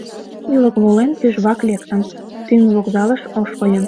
Ӱлык волен, тӱжвак лектым, тӱҥ вокзалыш ошкыльым.